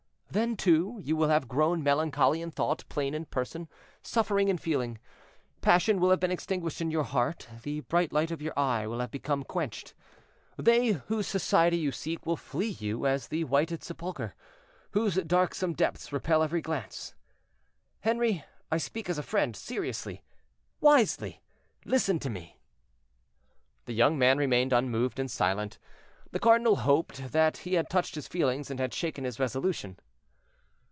Then, too, you will have grown melancholy in thought, plain in person, suffering in feeling; passion will have been extinguished in your heart, the bright light of your eye will have become quenched. They whose society you seek will flee you as a whited sepulcher, whose darksome depths repel every glance. Henri, I speak as a friend, seriously, wisely; listen to me." The young man remained unmoved and silent. The cardinal hoped that he had touched his feelings, and had shaken his resolution.